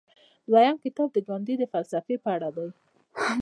دویم کتاب د ګاندي د فلسفې په اړه دی.